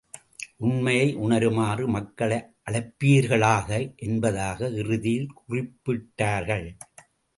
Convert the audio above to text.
உண்மையை உணருமாறு மக்களை அழைப்பீர்களாக! என்பதாக இறுதியில் குறிப்பிட்டார்கள்.